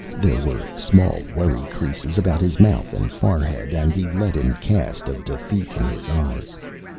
There were small worry creases about his mouth and forehead, and the leaden cast of defeat in his eyes.